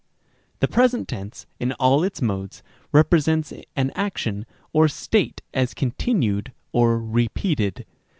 The present tense, in all its modes, represents an action or state as continued or repeated.